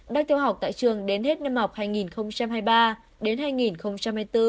đang tiêu học tại trường đến hết năm học hai nghìn hai mươi ba hai nghìn hai mươi bốn